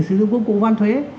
sử dụng công cụ van thuế